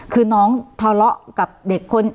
คือน้องทะเลาะกับเด็กคน